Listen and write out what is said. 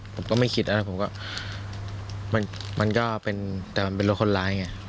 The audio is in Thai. ผมก็ไม่คิดนะผมก็มันก็เป็นแต่มันเป็นรถคนร้ายไง